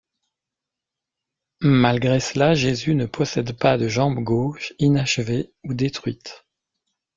Malgré cela, Jésus ne possède pas de jambe gauche, inachevée ou détruite.